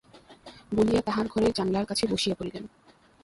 বলিয়া তাঁহার ঘরের জানলার কাছে বসিয়া পড়িলেন।